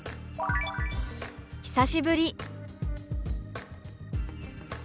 「久しぶり」。